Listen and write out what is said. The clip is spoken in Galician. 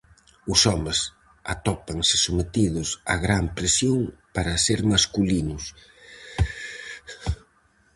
Os homes atópanse sometidos a gran presión para ser masculinos.